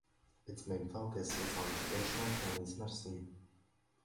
Its main focus is on traditional Chinese medicine.